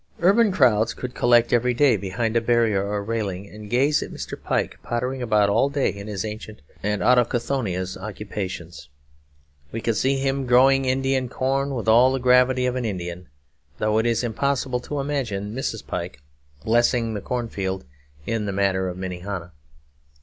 Urban crowds could collect every day behind a barrier or railing, and gaze at Mr. Pike pottering about all day in his ancient and autochthonous occupations. We could see him growing Indian corn with all the gravity of an Indian; though it is impossible to imagine Mrs. Pike blessing the cornfield in the manner of Minnehaha.